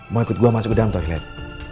mau ikut gue masuk ke dalam toilet